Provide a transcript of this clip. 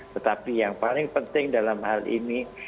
tetapi yang paling penting dalam hal ini